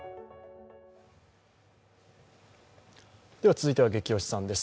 続いては「ゲキ推しさん」です。